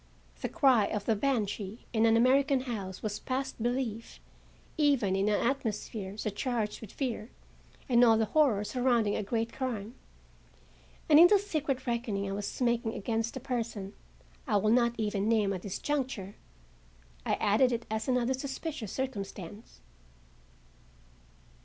The cry of the banshee in an American house was past belief, even in an atmosphere surcharged with fear and all the horror surrounding a great crime; and in the secret reckoning I was making against a person I will not even name at this juncture, I added it as another suspicious circumstance.